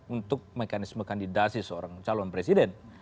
untuk mekanisme kandidasi seorang calon presiden